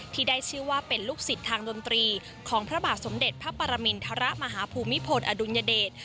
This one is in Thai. ที่ได้ชื่อว่าเป็นลูกศิษย์ทางดนตรีของพระบาทสมเด็จพระปรมินทรมาฮภูมิพลอดุลยเดช